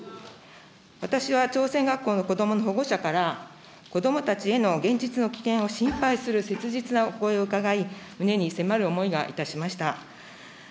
私は朝鮮学校の子どもの保護者から、子どもたちへの現実の危険を心配するお声をいただき、胸に迫る思いがいたしました。